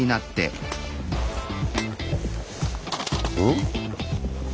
ん？